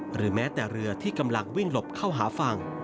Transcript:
หรือแม้แต่เรือที่กำลังวิ่งหลบเข้าหาฝั่ง